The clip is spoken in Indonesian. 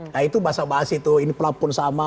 nah itu bahasa bahasa itu ini pelafon sama